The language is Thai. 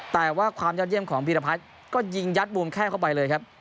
แต่ว่าความยอดเยี่ยมของพีรพัฒน์ก็ยิงยัดบวมแข้งเข้าไปเลยครับ